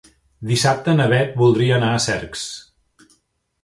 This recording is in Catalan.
Dissabte na Beth voldria anar a Cercs.